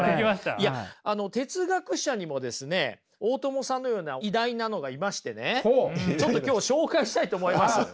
いや哲学者にもですね大友さんのような偉大なのがいましてねちょっと今日紹介したいと思います。